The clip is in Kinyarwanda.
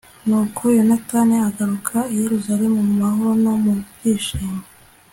nuko yonatani agaruka i yeruzalemu mu mahoro no mu byishimo